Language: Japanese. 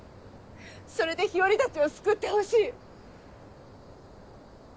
それで日和たちを救ってほしい。